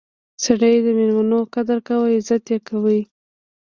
سړی د میلمنو قدر کاوه او عزت یې کاوه.